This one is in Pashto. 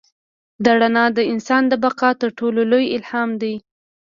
دا رڼا د انسان د بقا تر ټولو لوی الهام دی.